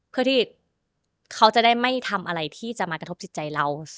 เพื่อที่เขาจะได้ไม่ทำอะไรที่จะมากระทบจิตใจเรา